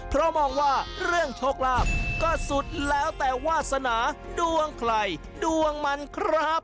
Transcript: เพราะมองว่าเรื่องโชคลาภก็สุดแล้วแต่วาสนาดวงใครดวงมันครับ